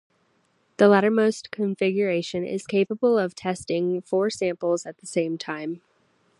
The lattermost configuration is capable of testing four samples at the same time.